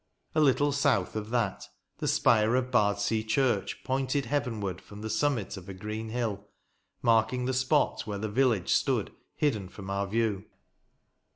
A little south of that the spire of Bardsea church pointed heavenward from the summit of a green hill, marking the spot where the village stood hidden from our view.